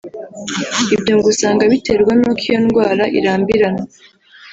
Ibyo ngo usanga biterwa n’uko iyi ndwara irambirana